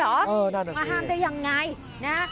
เออแน่นอนคือเสมอคือว่าได้อย่างไรนะ